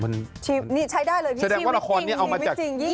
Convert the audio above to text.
นี่ใช้ได้เลยวิทย์วิทย์จริงนี่วิทย์จริงยี่กว่าละคร